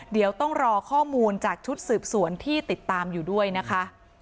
เดี๋ยวต้องรอข้อมูลจากชุดสืบสวนที่ติดตามอยู่ด้วยนะคะ